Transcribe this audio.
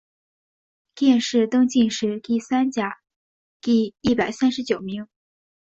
殿试登进士第三甲第一百三十九名。